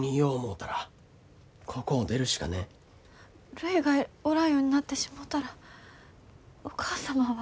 るいがおらんようになってしもうたらお義母様は。